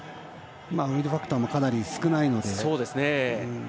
ウインドファクターもかなり少ないので。